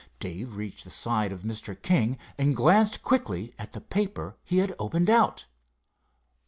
Dave reached the side of Mr. King and glanced quickly at the paper he had opened out.